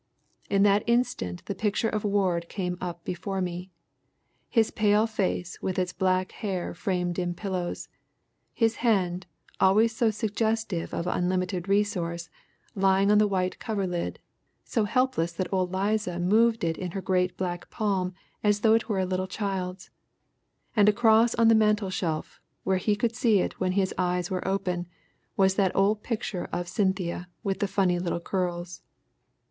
In that instant the picture of Ward came up before me. His pale face with its black hair framed in pillows; his hand, always so suggestive of unlimited resource, lying on the white coverlid, so helpless that old Liza moved it in her great black palm as though it were a little child's; and across on the mantle shelf, where he could see it when his eyes were open, was that old picture of Cynthia with the funny little curls.